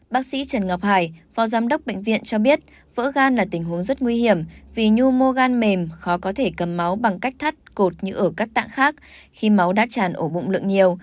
bác sĩ trần ngọc hải phó giám đốc bệnh viện cho biết vỡ gan là tình huống rất nguy hiểm vì nhu mô gan mềm khó có thể cầm máu bằng cách thắt cột như ở các tạng khác khi máu đã tràn ổ bụng lượng nhiều